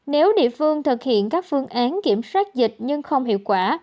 nếu địa phương thực hiện các phương án kiểm soát dịch nhưng không hiệu quả